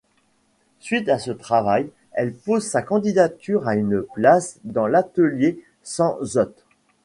Suite à ce travail, elle pose sa candidature à une place dans l'Atelier Sanzot.